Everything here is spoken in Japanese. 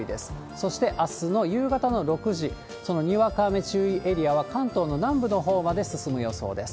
そしてあすの夕方の６時、そのにわか雨注意エリアは関東の南部のほうまで進む予想です。